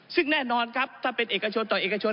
ซึ่งแน่นอนครับถ้าเป็นเอกชนต่อเอกชน